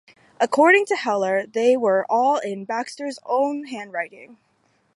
According to Heller, they were all in Baxter's own handwriting.